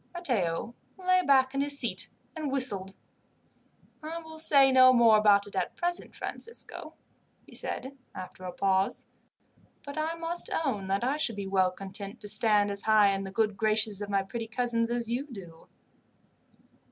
Matteo lay back in his seat and whistled. "I will say no more about it at present, Francisco," he said, after a pause; "but I must own that I should be well content to stand as high in the good graces of my pretty cousins as you do."